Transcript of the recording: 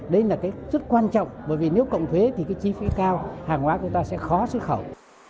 đấy là cái rất quan trọng bởi vì nếu cộng thuế thì cái chi phí cao hàng hóa của ta sẽ khó xuất khẩu